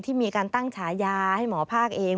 มีการตั้งฉายาให้หมอภาคเอง